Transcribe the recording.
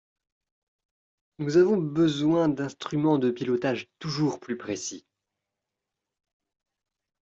Nous avons besoin d’instruments de pilotage toujours plus précis.